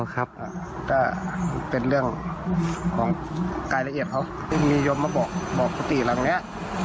อ๋อครับอ่าเป็นเรื่องของกายละเอียดเขามียมมาบอกบอกปุฏิหลังเนี้ย